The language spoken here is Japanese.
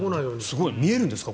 すごい見えるんですか？